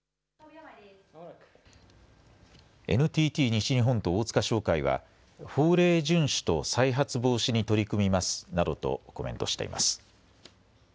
ＮＴＴ西日本と大塚商会は法令順守と再発防止に取り組みますなどとコメントしています。